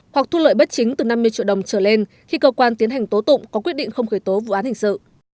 hoặc thu lợi bất chính từ năm mươi triệu đồng trở lên khi cơ quan tiến hành tố tụng có quyết định không khởi tố vụ án hình sự